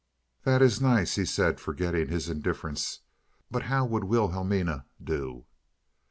"That is nice," he said, forgetting his indifference. "But how would Wilhelmina do?"